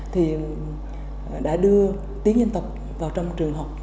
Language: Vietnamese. thì đã đưa tiếng dân tộc vào trong trường học